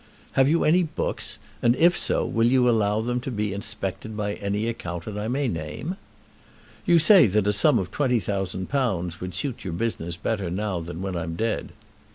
Have you any books; and, if so, will you allow them to be inspected by any accountant I may name? You say that a sum of £20,000 would suit your business better now than when I'm dead.